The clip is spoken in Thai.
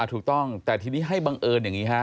ถูกต้องแต่ทีนี้ให้บังเอิญอย่างนี้ฮะ